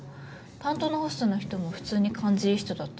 担当のホストの人も普通に感じいい人だったし。